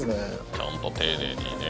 ちゃんと丁寧にね。